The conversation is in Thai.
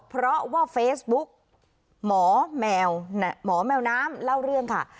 เพราะว่าเฟซบุ๊กหมอแมวหมอแมวน้ำเล่าเรื่องค่ะ